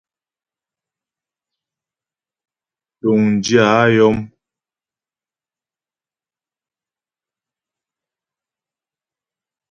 Túŋdyə̂ a yɔm.